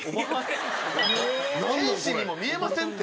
天使にも見えませんって。